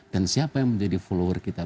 siapa yang menjadi follower kita